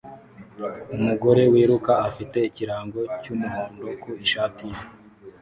umugore wiruka afite ikirango cy'umuhondo ku ishati ye